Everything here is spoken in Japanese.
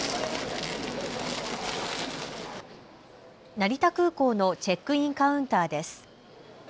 成田空港のチェックインカウンターです。